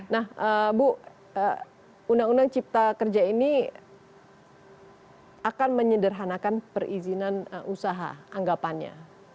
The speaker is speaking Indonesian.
nah bu undang undang cipta kerja ini akan menyederhanakan perizinan usaha anggapannya